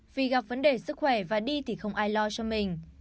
vì gặp vấn đề sức khỏe và đi thì không ai lo cho mình